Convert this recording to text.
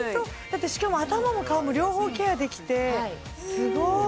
だってしかも頭も顔も両方ケアできてすごい！